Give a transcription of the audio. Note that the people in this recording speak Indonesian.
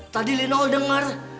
tadi lino denger